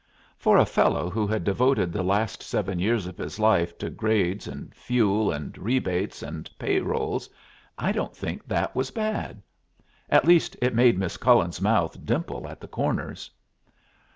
For a fellow who had devoted the last seven years of his life to grades and fuel and rebates and pay rolls, I don't think that was bad. At least it made Miss Cullen's mouth dimple at the corners.